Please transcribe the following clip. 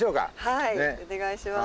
はいお願いします。